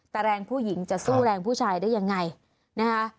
แต่แรงผู้หญิงจะสู้แรงผู้ชายได้ยังไงนะคะ